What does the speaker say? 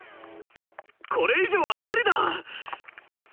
これ以上は無理だ！